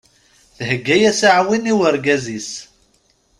Thegga-yas aɛwin i wergaz-is.